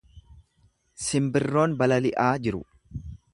Simbirroon balali’aa jiru.